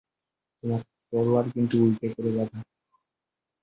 তোমার তরোয়ার কিন্তু উল্টো করে বাঁধা।